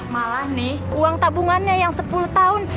malah nih uang tabungannya yang sepuluh tahun